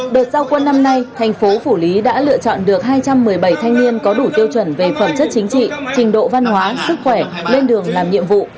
đợt giao quân năm nay thành phố phủ lý đã lựa chọn được hai trăm một mươi bảy thanh niên có đủ tiêu chuẩn về phẩm chất chính trị trình độ văn hóa sức khỏe lên đường làm nhiệm vụ